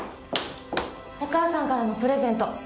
お母さんからのプレゼント。